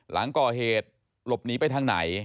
หลังก่อเหตุหลบหนีไปทางไหน